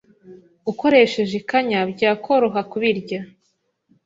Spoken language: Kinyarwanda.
ukoresheje ikanya byakoroha kubirya